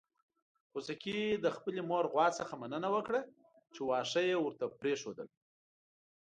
خوسکي د خپلې مور غوا څخه مننه وکړه چې واښه يې ورته پرېښودل.